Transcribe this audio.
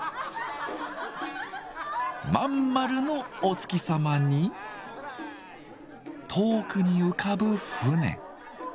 真ん丸のお月様に遠くに浮かぶ船。